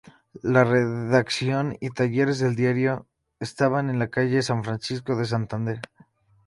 La redacción y talleres del diario estaban en la "calle San Francisco" de Santander.